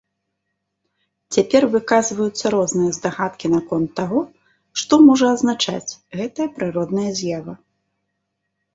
Цяпер выказваюцца розныя здагадкі наконт таго, што можа азначаць гэтая прыродная з'ява.